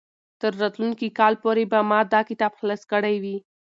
تر راتلونکي کال پورې به ما دا کتاب خلاص کړی وي.